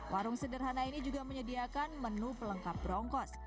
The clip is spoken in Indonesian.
warung sederhana ini juga menyediakan menu pelengkap berongkos